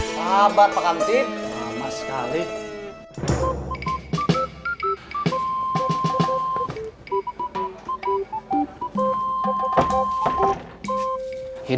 sabar pak kantin